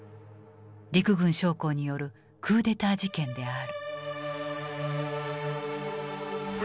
陸軍将校によるクーデター事件である。